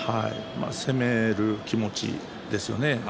攻める気持ちですよね。